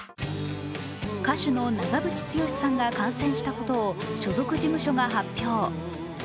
歌手の長渕剛さんが感染したことを所属事務所が発表。